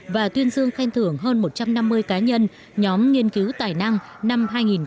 và tuyên dương khen thưởng hơn một trăm năm mươi cá nhân nhóm nghiên cứu tài năng năm hai nghìn một mươi chín